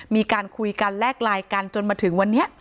มีการคุยกันแลกไลน์กันจนมาถึงวันนี้